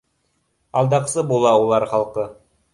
Алдаҡсы була улар халҡы